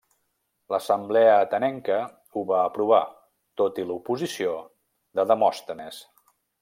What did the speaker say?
L'assemblea atenenca ho va aprovar tot i l'oposició de Demòstenes.